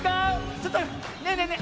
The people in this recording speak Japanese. ちょっとねえねえねえ